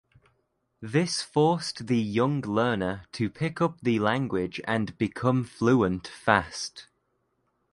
This forced the young learner to pick up the language and become fluent fast.